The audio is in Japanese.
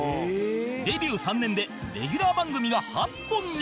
デビュー３年でレギュラー番組が８本に